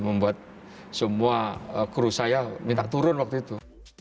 membuat semua kru saya minta turun waktu itu